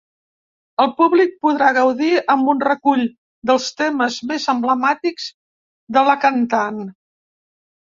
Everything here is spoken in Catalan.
El públic podrà gaudir amb un recull dels temes més emblemàtics de la cantant.